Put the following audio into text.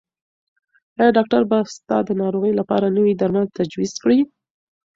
ایا ډاکټر به ستا د ناروغۍ لپاره نوي درمل تجویز کړي؟